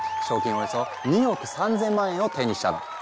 およそ２億３，０００万円を手にしたの。